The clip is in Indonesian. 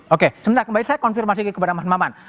oke sebentar kembali saya konfirmasi kepada mas maman